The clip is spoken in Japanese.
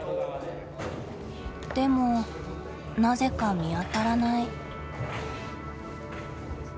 でもなぜか見当たらない。